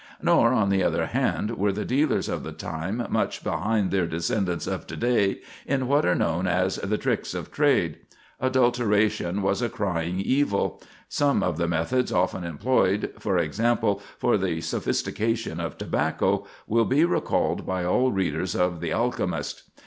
Nor, on the other hand, were the dealers of the time much behind their descendants of to day in what are known as the tricks of trade. Adulteration was a crying evil; some of the methods often employed, for example, for the "sophistication" of tobacco, will be recalled by all readers of "The Alchemist."